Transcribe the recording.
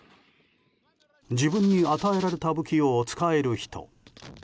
自分に与えられた武器を使える人。